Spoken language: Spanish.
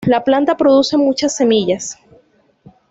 La planta produce muchas semillas.